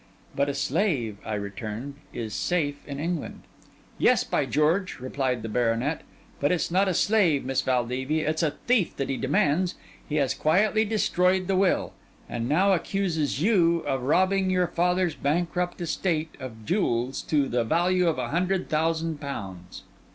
'But a slave,' I returned, 'is safe in England.' 'Yes, by George!' replied the baronet; 'but it's not a slave, Miss Valdevia, it's a thief that he demands. He has quietly destroyed the will; and now accuses you of robbing your father's bankrupt estate of jewels to the value of a hundred thousand pounds.